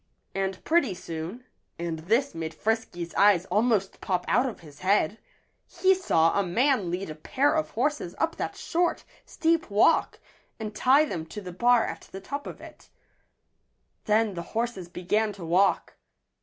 And pretty soon and this made Frisky's eyes almost pop out of his head he saw a man lead a pair of horses up that short, steep walk and tie them to the bar at the top of it. Then the horses began to walk.